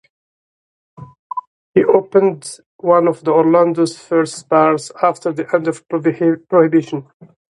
He opened one of Orlando's first bars after the end of Prohibition.